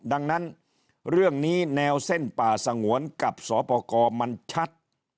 ดังนั้นเรื่องนี้แนวเส้นป่าสงวนกับสปกรมันชัด